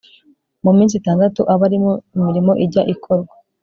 Mu minsi itandatu abe ari mo imirimo ijya ikorwa